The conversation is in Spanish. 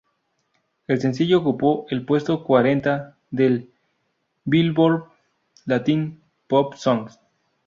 El sencillo ocupó el puesto cuarenta del "Billboard Latin Pop Songs".